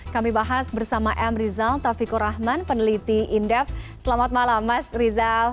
kami bahas bersama m rizal taufikur rahman peneliti indef selamat malam mas rizal